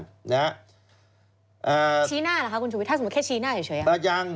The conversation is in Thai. ชี้หน้าเหรอคะคุณชุวิตถ้าสมมุติแค่ชี้หน้าเฉย